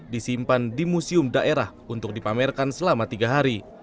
disimpan di museum daerah untuk dipamerkan selama tiga hari